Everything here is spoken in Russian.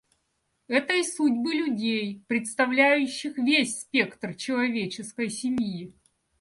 Это и судьбы людей, представляющих весь спектр человеческой семьи.